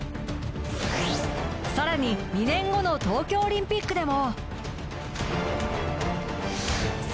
さらに２年後の東京オリンピックでも。